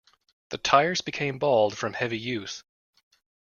The tires became bald from heavy usage.